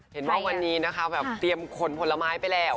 เห็นว่าวันนี้เตรียมขนผลไม้ไปแล้ว